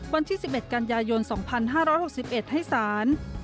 วันที่๑๑กัญญายนฝ่าย๒๕๖๑ให้สาร